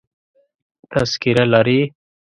تذکره لرې؟